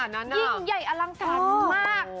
ยิ่งใหญ่อลังการมาก